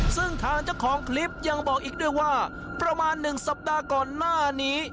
ซึ่งทางเจ้าของคลิปยังบอกอีกด้วยว่าประมาณ๑สัปดาห์ก่อนหน้านี้